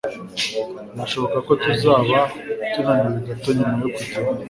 Birashoboka ko tuzaba tunaniwe gato nyuma yo kugenda.